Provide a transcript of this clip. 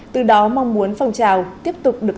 từ đó mong muốn phòng trào tiếp tục được